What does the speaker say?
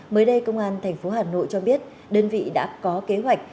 mới đây công an thành phố hà nội cho biết đơn vị đã có kế hoạch